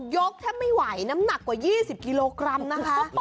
กแทบไม่ไหวน้ำหนักกว่า๒๐กิโลกรัมนะคะ